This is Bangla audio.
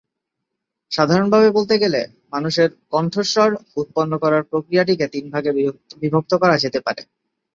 সাধারণভাবে বলতে গেলে, মানুষের কণ্ঠস্বর উৎপন্ন করার প্রক্রিয়াটি তিন ভাগে বিভক্ত হতে পারে-